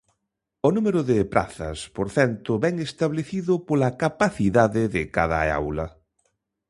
O número de prazas por centro vén establecido pola capacidade de cada aula.